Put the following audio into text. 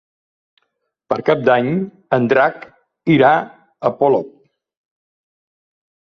Per Cap d'Any en Drac irà a Polop.